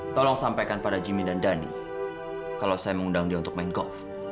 tolong sampaikan pada jimmy dan dhani kalau saya mengundang dia untuk main golf